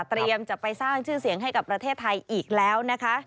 จะไปสร้างชื่อเสียงให้กับประเทศไทยอีกแล้วนะคะ